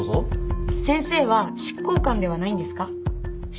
先生は執行官ではないんですか？